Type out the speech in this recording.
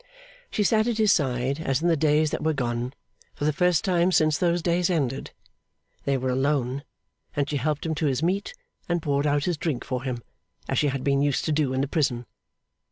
She sat at his side as in the days that were gone, for the first time since those days ended. They were alone, and she helped him to his meat and poured out his drink for him, as she had been used to do in the prison.